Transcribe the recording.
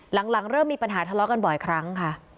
หลังเริ่มมีปัญหาทะเลาะกันบ่อยครั้งค่ะ